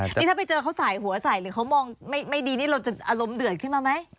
นี่ถ้าไปเจอเขาใส่หัวใส่หรือเขามองไม่ดีนี่เราจะอารมณ์เดือดขึ้นมาไหม